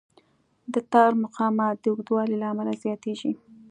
د تار مقاومت د اوږدوالي له امله زیاتېږي.